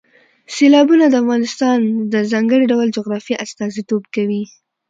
سیلابونه د افغانستان د ځانګړي ډول جغرافیه استازیتوب کوي.